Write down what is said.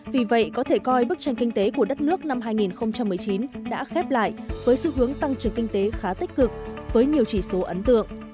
vì vậy có thể coi bức tranh kinh tế của đất nước năm hai nghìn một mươi chín đã khép lại với xu hướng tăng trưởng kinh tế khá tích cực với nhiều chỉ số ấn tượng